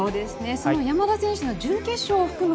その山田選手の準決勝を含む